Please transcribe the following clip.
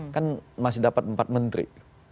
kan masih dapat empat menteri